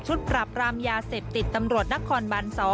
ปรับรามยาเสพติดตำรวจนครบัน๒